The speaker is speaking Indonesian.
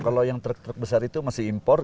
kalau yang truk truk besar itu masih import